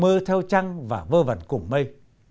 chỉ mơ theo trăng và vơ vẩn cùng mây